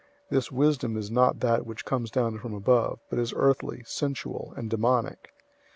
003:015 This wisdom is not that which comes down from above, but is earthly, sensual, and demonic.